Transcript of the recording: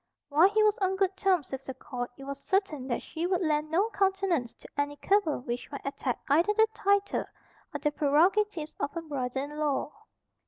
While he was on good terms with the Court it was certain that she would lend no countenance to any cabal which might attack either the title or the prerogatives of her brother in law.